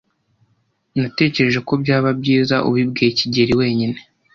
Natekereje ko byaba byiza ubibwiye kigeli wenyine.